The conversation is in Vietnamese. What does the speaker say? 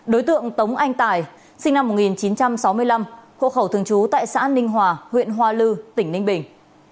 đối tượng tống anh tài sinh năm một nghìn chín trăm sáu mươi năm hộ khẩu thường trú tại xã ninh hòa huyện hoa lư tỉnh ninh bình